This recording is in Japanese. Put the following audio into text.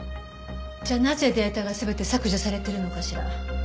じゃあなぜデータが全て削除されてるのかしら？